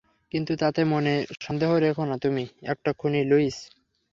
কিন্তু তাতে মনে সন্দেহ রেখো না তুমি একটা খুনি, লুইস!